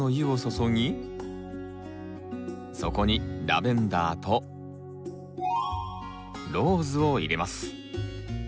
そこにラベンダーとローズを入れます。